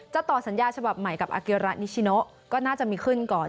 ต่อสัญญาฉบับใหม่กับอาเกียระนิชิโนก็น่าจะมีขึ้นก่อน